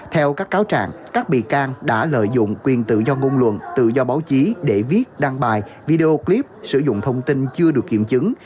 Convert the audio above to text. theo các cáo trạng các bị can đã lợi dụng quyền tự do ngôn luận tự do báo chí để viết đăng bài video clip sử dụng thông tin chưa được kiểm chứng